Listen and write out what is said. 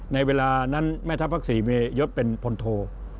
ในเวลานั้นแม่ทัพภาคศรีเมยศเป็นพลโท